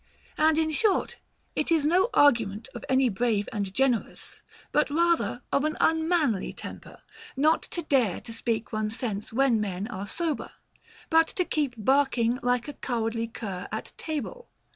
And in short, it is no argument of any brave and gener ous, but rather of an unmanly temper, not to dare to speak one's sense when men are sober, but to keep bark ing like a cowardly cur at table.